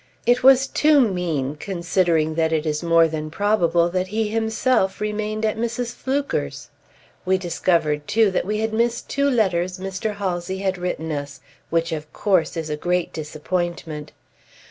It was too mean, considering that it is more than probable that he himself remained at Mrs. Fluker's. We discovered, too, that we had missed two letters Mr. Halsey had written us, which, of course, is a great disappointment.